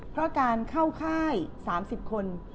เพราะการเข้าค่าย๓๐คน